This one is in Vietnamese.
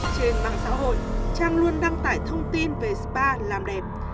trên mạng xã hội trang luôn đăng tải thông tin về spa làm đẹp